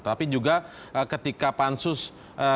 tapi juga ketika pansus ditanya oleh tni